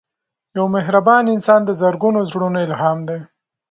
یو مهربان انسان د زرګونو زړونو الهام دی